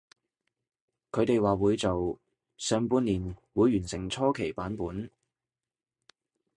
佢哋話會做，上半年會完成初期版本